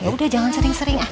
yaudah jangan sering sering as